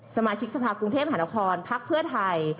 สมาชิกสภาคกรุงเทพหานครพักเพื่อไทย